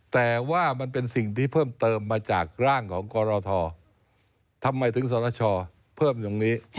แต่ว่ามันเป็นสิ่งที่เพิ่มเติมมาจากร่างของกรททำไมถึงสรชอเพิ่มอย่างนี้